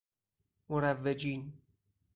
مروجین